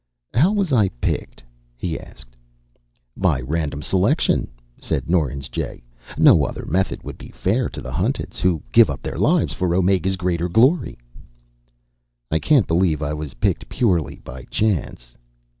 "How was I picked?" he asked. "By random selection," said Norins Jay. "No other method would be fair to the Hunteds, who give up their lives for Omega's greater glory." "I can't believe I was picked purely by chance."